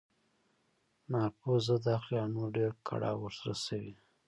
ناپوه ضد اخلي او نور ډېر کړاو رسوي.